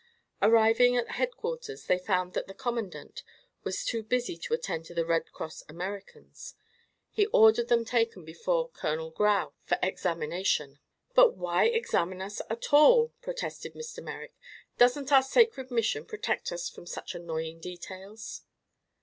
Arriving at headquarters they found that the commandant was too busy to attend to the Red Cross Americans. He ordered them taken before Colonel Grau for examination. "But why examine us at all?" protested Mr. Merrick. "Doesn't our sacred mission protect us from such annoying details?"